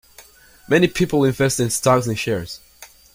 Many people invest in stocks and shares